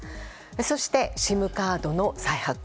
そして、ＳＩＭカードの再発行。